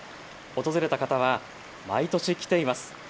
訪れた方は毎年、来ています。